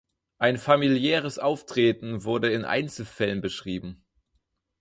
Ein familiäres Auftreten wurde in Einzelfällen beschrieben.